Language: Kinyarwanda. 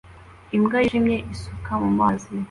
Imbwa yijimye isuka mu mazi